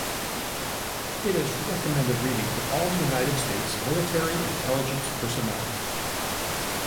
It is recommended reading for all United States Military Intelligence personnel.